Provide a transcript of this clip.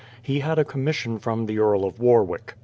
He had a commission from the Earl of Warwick.